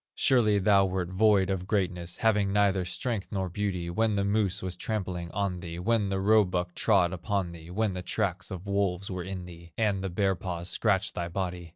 "Surely thou wert void of greatness, Having neither strength nor beauty, When the moose was trampling on thee, When the roebuck trod upon thee, When the tracks of wolves were in thee, And the bear paws scratched thy body.